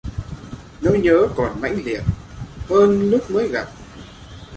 Nỗi nhớ còn mãnh liệt hơn Lúc mới gặp